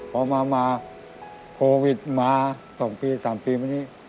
พอมาโควิดมา๒ปี๓ปีมานี้